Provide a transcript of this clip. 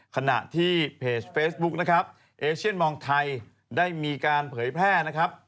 ขณะที่เพจเฟซบุ๊คนะครับเอเชียนมองไทยได้มีการเผยแพร่นะครับ